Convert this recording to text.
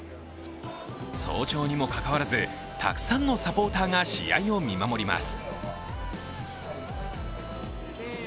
早朝にもかかわらず、たくさんのサポーターが試合を見守ります。